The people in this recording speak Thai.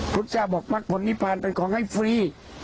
พุทธเจ้าบอกมักผลนิพานเป็นของให้ฟรี